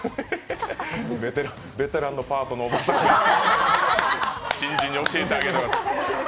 ベテランのパートのおばさん新人に教えてあげてください。